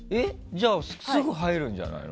じゃあすぐ入れるんじゃないの？